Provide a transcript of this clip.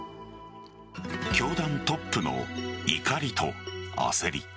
教団トップの怒りと焦り。